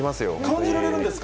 感じられるんですか。